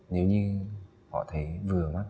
nếu như họ thấy vừa mắt họ